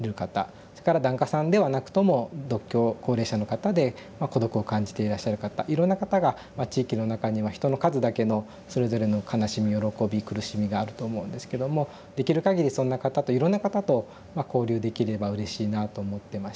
それから檀家さんではなくとも独居高齢者の方で孤独を感じていらっしゃる方いろんな方が地域の中には人の数だけのそれぞれの悲しみ喜び苦しみがあると思うんですけどもできるかぎりそんな方といろんな方と交流できればうれしいなと思ってまして。